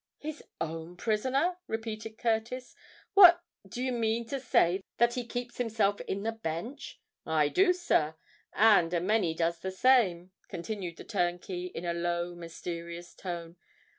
"His own prisoner!" repeated Curtis. "What—do you mean to say that he keeps himself in the Bench?" "I do, sir—and a many does the same," continued the turnkey, in a low, mysterious tone.